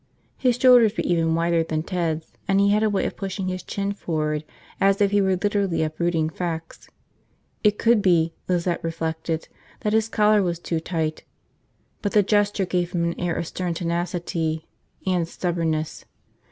His shoulders were even wider than Ted's and he had a way of pushing his chin forward as if he were literally uprooting facts. It could be, Lizette reflected, that his collar was too tight; but the gesture gave him an air of stern tenacity. And stubbornness.